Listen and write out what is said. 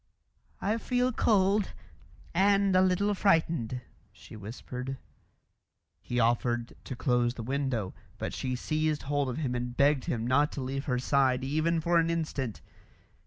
"I feel cold and a little frightened," she whispered. He offered to close the window, but she seized hold of him and begged him not to leave her side even for an instant.